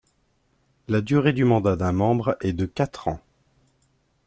La durée du mandat d'un membre est de quatre ans.